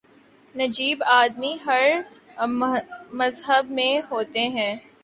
نجیب آدمی ہر مذہب میں ہوتے ہیں۔